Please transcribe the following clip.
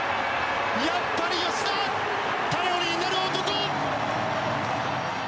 やっぱり吉田、頼りになる男！